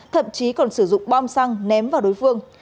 thậm chí còn sử dụng bom xăng ném vào đối phương